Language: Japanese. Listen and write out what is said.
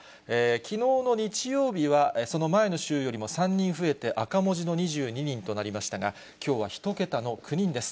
きのうの日曜日は、その前の週よりも３人増えて、赤文字の２２人となりましたが、きょうは１桁の９人です。